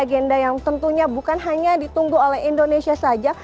agenda yang tentunya bukan hanya ditunggu oleh indonesia saja